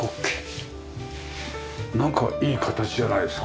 なんかいい形じゃないですか。